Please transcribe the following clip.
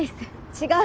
違う！